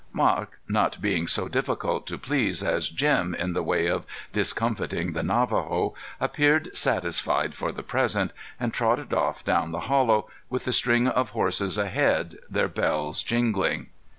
Marc, not being so difficult to please as Jim in the way of discomfiting the Navajo, appeared satisfied for the present, and trotted off down the hollow, with the string of horses ahead, their bells jingling.